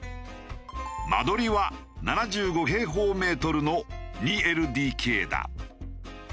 間取りは７５平方メートルの２ＬＤＫだ。